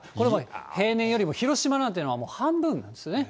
平年よりも広島なんていうのは半分ですよね。